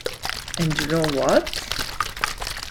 And you know what?